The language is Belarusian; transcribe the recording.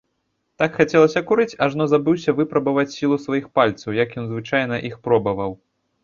Так хацелася курыць, ажно забыўся выпрабаваць сілу сваіх пальцаў, як ён звычайна іх пробаваў.